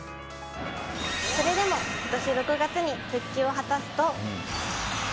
「それでも今年６月に復帰を果たすと」